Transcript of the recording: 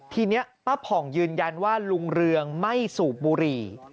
ทีนี้ป้าผ่องยืนยันว่าลุงเรืองไม่สูบบุหรี่